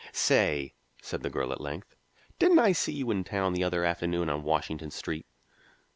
"Say," said the girl at length, "didn't I see you in town the other afternoon on Washington Street?"